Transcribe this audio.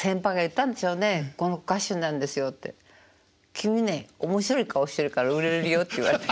「君ね面白い顔してるから売れるよ」って言われて。